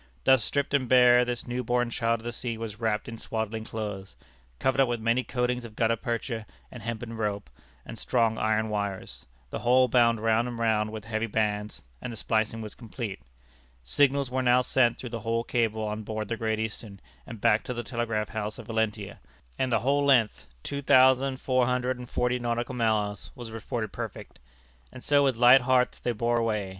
Thus stripped and bare this new born child of the sea was wrapped in swaddling clothes, covered up with many coatings of gutta percha, and hempen rope, and strong iron wires, the whole bound round and round with heavy bands, and the splicing was complete. Signals were now sent through the whole cable on board the Great Eastern and back to the telegraph house at Valentia, and the whole length, two thousand four hundred and forty nautical miles, was reported perfect. And so with light hearts they bore away.